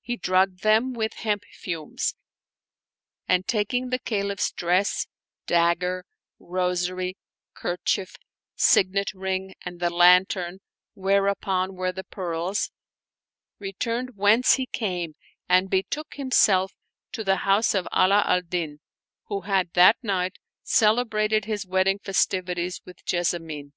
He drugged them with hemp fumes ; and, taking the Ca liph's dress, dagger, rosary, kerchief, signet ring, and the lantern whereupon were the pearls, returned whence he came and betook himself to the house of Ala al Din, who had that night celebrated his wedding festivities with Jes samine.